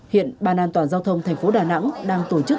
hiện ban an toàn giao thông thành phố đà nẵng đang tổ chức